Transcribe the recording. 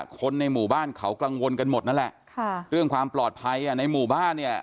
คนในหมู่บ้านเขากังวลกันหมดนั่นแหละค่ะเรื่องความปลอดภัยอ่ะในหมู่บ้านเนี่ย